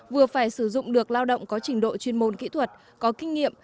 vừa phải sử dụng được lao động có trình độ chuyên môn kỹ thuật có kinh nghiệm